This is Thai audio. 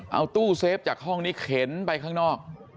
เอาตู้เซฟจากห้องนี้เข็นไปข้างนอก